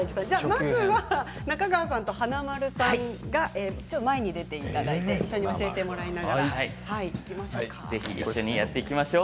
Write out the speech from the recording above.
まずは中川さんと華丸さんが前に出ていただいて一緒に教えてもらいながらいきましょうか。